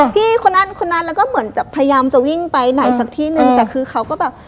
พี่คนนั้นคนนั้นแล้วก็เหมือนจะพยายามจะวิ่งไปไหนสักที่นึงแต่คือเขาก็แบบ